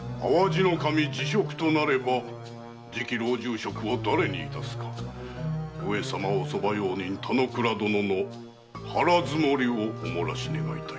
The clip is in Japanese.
守辞職となれば次期老中職を誰に致すか上様お側用人・田之倉殿の腹積もりをお漏らし願いたい。